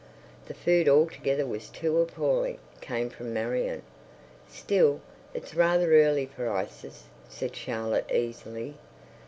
"The food altogether was too appalling," came from Marion. "Still, it's rather early for ices," said Charlotte easily.